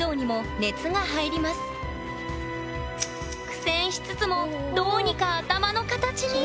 苦戦しつつもどうにか頭の形に！